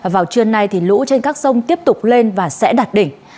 vào trưa nay lũ trên các sông tiếp tục lên và sẽ đạt đỉnh